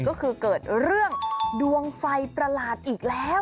ก็คือเกิดเรื่องดวงไฟประหลาดอีกแล้ว